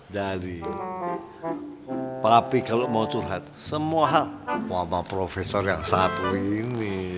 jadi tapi kalau mau curhat semua wabah profesor yang satu ini